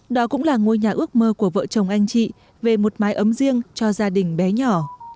đó cũng là ngôi nhà ước mơ của vợ chồng anh chị về một mái ấm riêng cho gia đình bé nhỏ